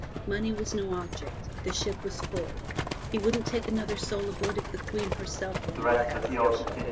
Money was no object; the ship was full. He wouldn't take another soul aboard if the Queen herself wanted a passage.